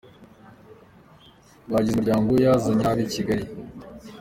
bagize umuryango we yazanye na bo i Kigali.